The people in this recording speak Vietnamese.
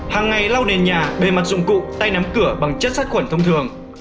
hàng ngày lau nền nhà bề mặt dụng cụ tay nắm cửa bằng chất sát khuẩn thông thường